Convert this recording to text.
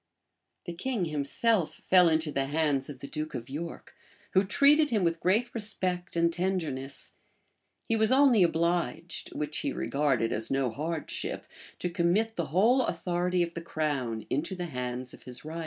[] The king himself fell into the hands of the duke of York, who treated him with great respect and tenderness: he was only obliged (which he regarded as no hardship) to commit the whole authority of the crown into the hands of his rival.